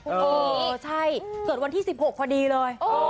เออใช่เกิดวันที่๑๖พอดีเลย